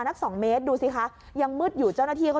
ลืมมั้ยละกี้เกือบจัดแล้ว